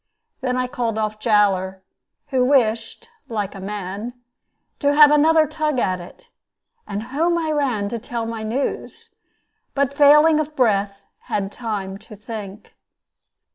Then I called off Jowler, who wished (like a man) to have another tug at it; and home I ran to tell my news, but failing of breath, had time to think.